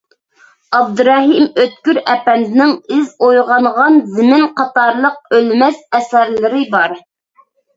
ئابدۇرېھىم ئۆتكۈر ئەپەندىنىڭ «ئىز»، «ئويغانغان زېمىن» قاتارلىق ئۆلمەس ئەسەرلىرى بار.